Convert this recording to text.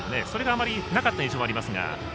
それがあまりなかった印象がありますが。